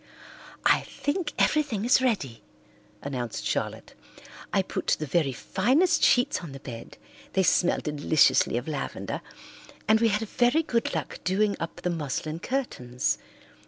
"I think everything is ready," announced Charlotte. "I put the very finest sheets on the bed, they smell deliciously of lavender, and we had very good luck doing up the muslin curtains.